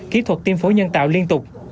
kỹ thuật tiêm phối nhân tạo liên tục